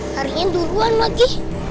karyanya duluan lagi